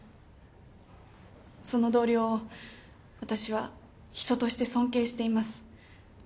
その同僚を私は人として尊敬しています。